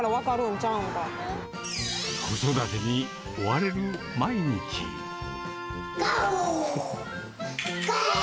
子育てに追われる毎日。がおー。